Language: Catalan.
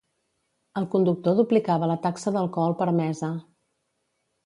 El conductor duplicava la taxa l'alcohol permesa.